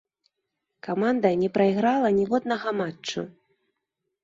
Каманда не прайграла ніводнага матчу.